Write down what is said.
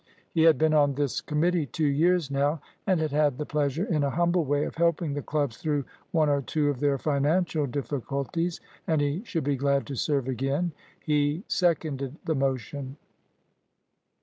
He had been on this committee two years now, and had had the pleasure in a humble way of helping the clubs through one or two of their financial difficulties, and he should be glad to serve again. He seconded the motion.